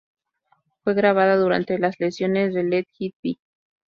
Fue grabada durante las sesiones de Let It Be.